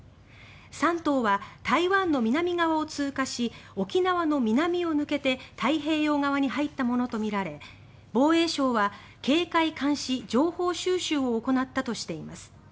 「山東」は台湾の南側を通過し沖縄の南を抜けて太平洋側に入ったものとみられ防衛省は警戒監視・情報収集を行ったとしています。